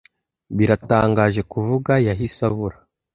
Biratangaje kuvuga, yahise abura.